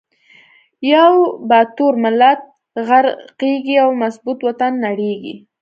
یو با تور ملت غر قیږی، یو مظبو ط وطن نړیزی